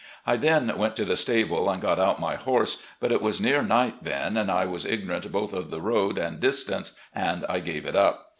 I then went to the stable and got out my horse, but it was near night then and I was ignorant both of the road and distance and I gave it up.